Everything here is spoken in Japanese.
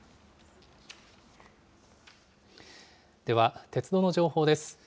では、鉄道の情報です。